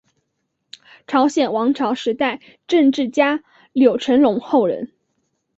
朝鲜王朝时代政治家柳成龙后人。